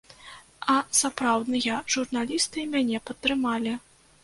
А сапраўдныя журналісты мяне падтрымалі.